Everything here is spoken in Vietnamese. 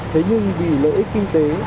thế nhưng vì lợi ích kinh tế